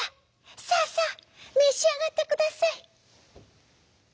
さあさあめしあがってください」。